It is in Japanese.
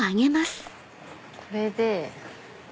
これで。